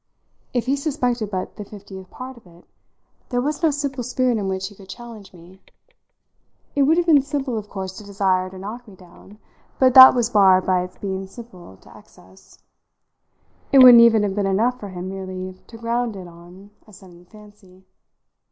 If he suspected but the fiftieth part of it there was no simple spirit in which he could challenge me. It would have been simple of course to desire to knock me down, but that was barred by its being simple to excess. It wouldn't even have been enough for him merely to ground it on a sudden fancy.